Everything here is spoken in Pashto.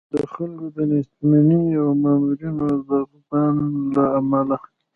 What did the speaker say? د خلکو د نېستمنۍ او د مامورینو د غبن له امله.